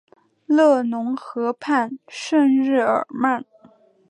勒农河畔圣日耳曼。